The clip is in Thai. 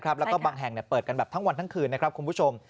และบางแห่งเปิดกันทั้งวันทั้งคืนคุณผู้ชม